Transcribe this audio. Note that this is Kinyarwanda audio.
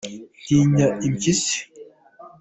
ntinya impyisi.